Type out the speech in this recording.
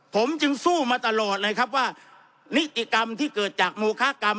ผมจึงสู้มาตลอดเลยครับว่านิติกรรมที่เกิดจากโมคากรรม